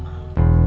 bukan saya pecat